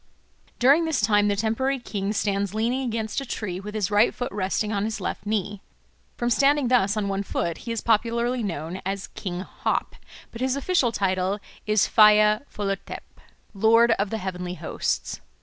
During this time the temporary king stands leaning against a tree with his right foot resting on his left knee. From standing thus on one foot he is popularly known as King Hop; but his official title is Phaya Phollathep "Lord of the Heavenly Hosts."